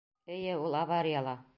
Эйе, ул аварияла...